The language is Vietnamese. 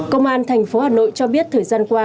công an thành phố hà nội cho biết thời gian qua